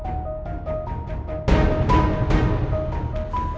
dengar suara dewi